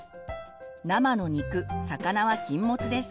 生の肉魚は禁物です。